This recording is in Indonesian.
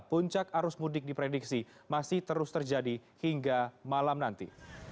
puncak arus mudik diprediksi masih terus terjadi hingga malam nanti